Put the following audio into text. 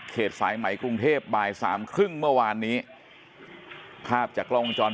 สายไหมกรุงเทพบ่ายสามครึ่งเมื่อวานนี้ภาพจากกล้องวงจร